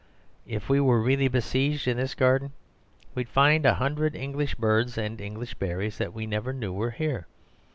If we were really besieged in this garden, we'd find a hundred English birds and English berries that we never knew were here.